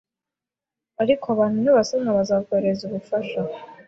ariko abantu nibasoma, bazakoherereza ubufasha